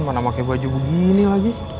mana pakai baju begini lagi